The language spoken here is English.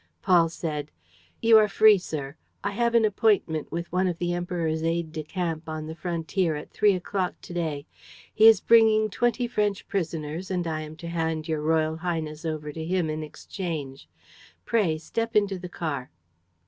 Paul said: "You are free, sir. I have an appointment with one of the Emperor's aides de camp on the frontier at three o'clock to day. He is bringing twenty French prisoners and I am to hand your royal highness over to him in exchange. Pray, step into the car."